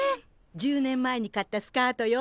１０年前に買ったスカートよ。